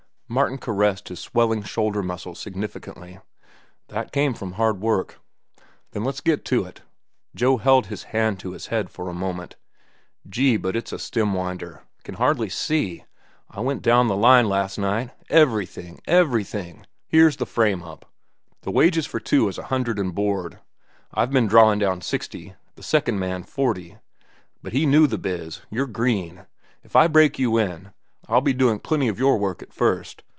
Martin caressed his swelling shoulder muscles significantly. "That came from hard work." "Then let's get to it." Joe held his hand to his head for a moment. "Gee, but it's a stem winder. Can hardly see. I went down the line last night—everything—everything. Here's the frame up. The wages for two is a hundred and board. I've ben drawin' down sixty, the second man forty. But he knew the biz. You're green. If I break you in, I'll be doing plenty of your work at first.